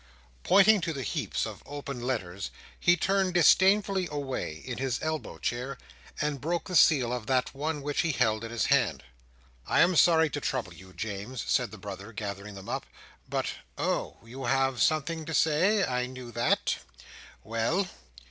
Pointing to the heaps of opened letters, he turned disdainfully away, in his elbow chair, and broke the seal of that one which he held in his hand. "I am sorry to trouble you, James," said the brother, gathering them up, "but—" "Oh! you have something to say. I knew that. Well?"